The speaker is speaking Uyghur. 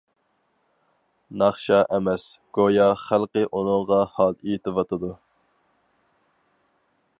ناخشا ئەمەس، گويا خەلقى ئۇنىڭغا ھال ئېيتىۋاتىدۇ.